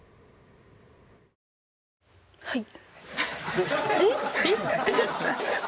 はい。